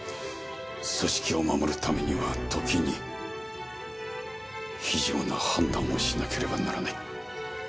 組織を守る為には時に非情な判断をしなければならない。